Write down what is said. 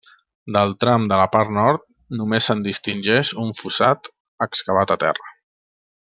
Del tram de la part nord només se'n distingeix un fossat excavat a terra.